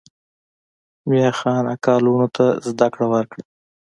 میاخان اکا لوڼو ته زده کړه ورکړه.